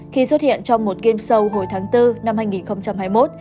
khi xuất hiện trong một game show hồi tháng bốn năm hai nghìn hai mươi một